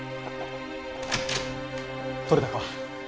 取れたか？